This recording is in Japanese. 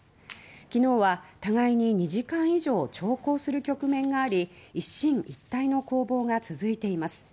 昨日は互いに２時間以上長考する局面があり一進一退の攻防が続いています。